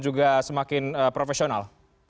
juga semakin profesional